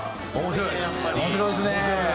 面白いですね。